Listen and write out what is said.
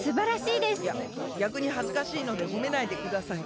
いやぎゃくにはずかしいのでほめないでください。